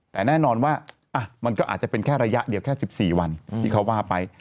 แต่แน่นอนว่ามันก็อาจจะเป็นแค่ระยะเดียวแค่๑๔วันที่เขาว่าไป